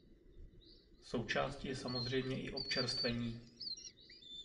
Součástí je samozřejmě i občerstvení.